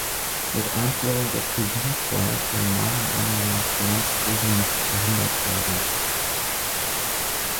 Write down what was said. Mit Einführung der Tobinsteuer können meiner Meinung nach Finanzkrisen nicht verhindert werden.